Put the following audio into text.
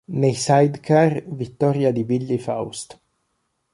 Nei sidecar, vittoria di Willi Faust.